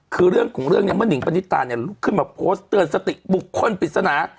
คือเรื่องของเรื่องนี้มันหญิงปนนิตาลุกขึ้นมาโพสเตือนสติบุคคลปริศนา